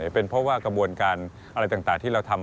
เป็นเพราะว่ากระบวนการอะไรต่างที่เราทำ